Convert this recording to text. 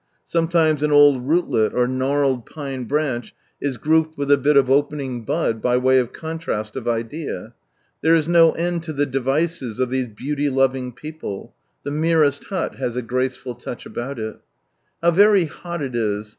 Sometimes an old rootlet or gnarled pine branch is grouped with a bit of opening bud, by way of coouast of idea. There is no end to the devices of these beaoty loving people^ Tbe merest bnt has a gracefiU touch abooi it How very bot it is